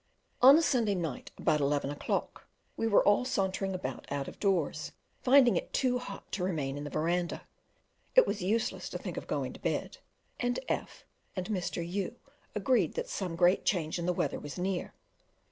On a Sunday night about eleven o'clock we were all sauntering about out of doors, finding it too hot to remain in the verandah; it was useless to think of going to bed; and F and Mr. U agreed that some great change in the weather was near.